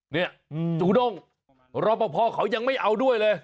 นี่จุดงฯรับบอกพ่อเค้ายังไม่เอาด้วยเลย